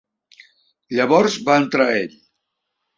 Llavors va entrar ell.